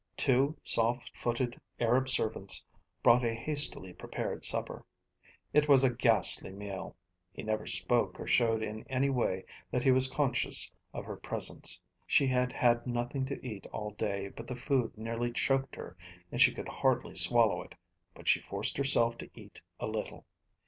Two soft footed Arab servants brought a hastily prepared supper. It was a ghastly meal. He never spoke or showed in any way that he was conscious of her presence. She had had nothing to eat all day, but the food nearly choked her and she could hardly swallow it, but she forced herself to eat a little.